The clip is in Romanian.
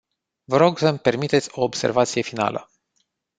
Vă rog să-mi permiteți o observație finală.